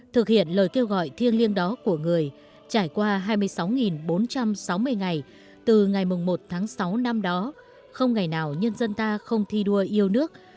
thực hiện lời kêu gọi thiêng liêng đó của người trải qua hai mươi sáu bốn trăm sáu mươi ngày từ ngày một tháng sáu năm đó không ngày nào nhân dân ta không thi đua yêu nước